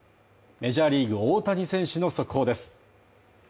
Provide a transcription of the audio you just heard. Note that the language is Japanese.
メジャーリーグ大谷選手の速報です。